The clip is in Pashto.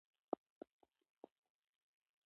د ازادۍ ورځ بايد په خوښۍ تېره شي.